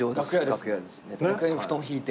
楽屋に布団ひいて。